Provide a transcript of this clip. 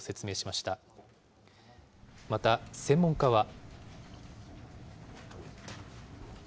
また、専門家は。